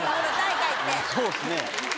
そうっすね。